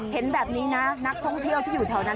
เห็นแบบนี้นะนักท่องเที่ยวที่อยู่แถวนั้น